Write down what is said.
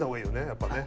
やっぱね。